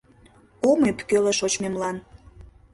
Ом ӧпкеле шочмемлан